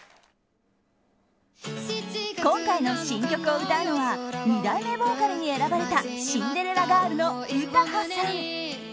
今回の新曲を歌うのは２代目ボーカルに選ばれたシンデレラガールの詩羽さん。